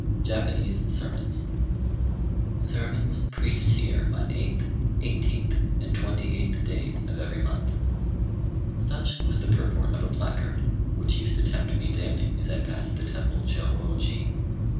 ] JAPANESE SERMONS "Sermons preached here on 8th, 18th, and 28th days of every month." Such was the purport of a placard, which used to tempt me daily, as I passed the temple Chô ô ji.